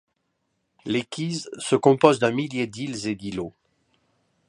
Les Keys se composent d'un millier d'îles et d'îlots.